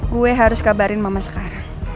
gue harus kabarin mama sekarang